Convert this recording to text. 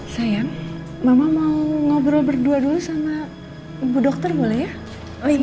sayang mama mau ngobrol berdua dulu sama ibu dokter boleh ya